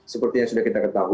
seperti yang sudah kita ketahui